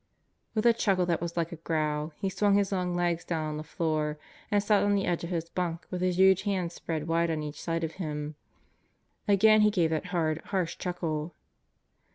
With a chuckle that was like a growl he swung his long legs down on the floor and sat on the edge of his bunk with his huge hands spread wide on each side of him. Again he gave that hard, harsh chuckle.